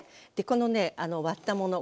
このね割ったもの